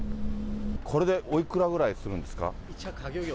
これでおいくらぐらいするんですか？